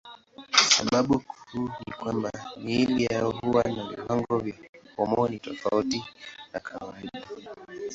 Sababu kuu ni kwamba miili yao huwa na viwango vya homoni tofauti na kawaida.